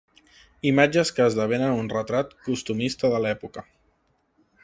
Imatges que esdevenen un retrat costumista de l'època.